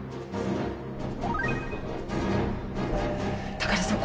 高田さん